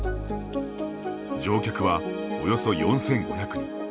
乗客はおよそ４５００人。